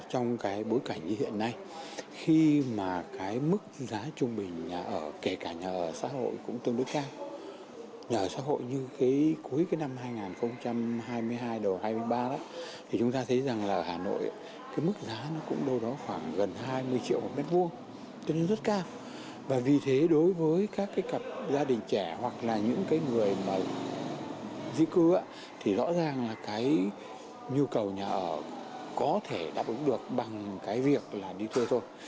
hoặc là những người di cư thì rõ ràng là cái nhu cầu nhà ở có thể đáp ứng được bằng cái việc là đi thuê thôi